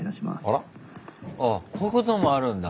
ああこういうこともあるんだ。